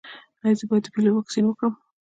ایا زه باید د پولیو واکسین وکړم؟